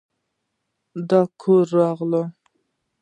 د کوره راغلم